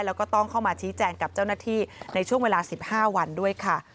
แล้วก็ต้องเข้ามาชี้แจงกับเจ้าหน้าที่ในช่วงเวลา๑๕วันด้วยค่ะ